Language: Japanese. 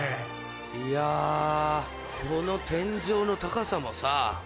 いやこの天井の高さもさ。